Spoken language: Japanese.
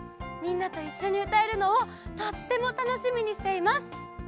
みんなといっしょにうたえるのをとってもたのしみにしています。